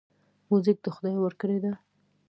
موزیک د خدای ورکړه ده.